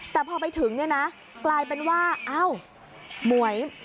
แต่พอไปถึงเนี่ยนะกลายเป็นว่าอ้าวหมวย